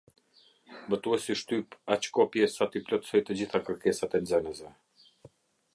Botuesi shtyp aq kopje sa t'i plotësojë të gjitha kërkesat e nxënësve.